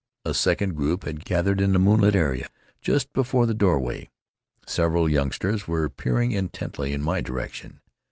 A second group had gathered in the moonlit area just before the doorway. Several youngsters were peering intently in my direction.